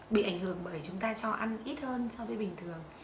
bị ảnh hưởng bởi chúng ta cho ăn ít hơn so với bình thường